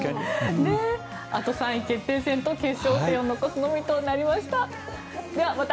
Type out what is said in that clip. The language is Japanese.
あと３位決定戦と決勝戦を残すのみとなりました。